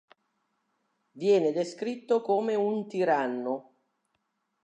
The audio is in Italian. Viene descritto come un tiranno.